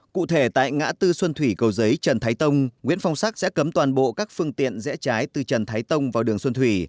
cụ thể tại ngã tư xuân thủy cầu giấy trần thái tông nguyễn phong sắc sẽ cấm toàn bộ các phương tiện rẽ trái từ trần thái tông vào đường xuân thủy